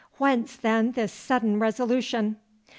Whence, then, this sudden resolution?